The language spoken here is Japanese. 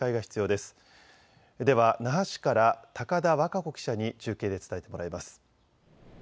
では那覇市から高田和加子記者に中継で伝えてもらいます。